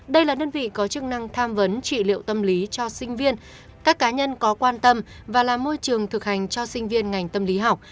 đây là đơn vị có chức năng tham vấn trị liệu tâm lý cho sinh viên các cá nhân có quan tâm và là môi trường thực hành cho sinh viên ngành tâm lý học